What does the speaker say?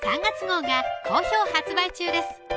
３月号が好評発売中です